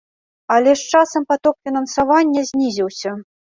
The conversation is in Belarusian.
Але з часам паток фінансавання знізіўся.